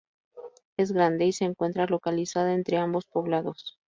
Es grande y se encuentra localizada entre ambos poblados.